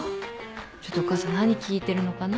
ちょっとお母さん何聞いてるのかな？